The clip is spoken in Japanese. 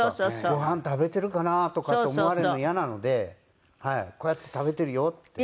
ご飯食べているかな？とかって思われるの嫌なのでこうやって食べているよって。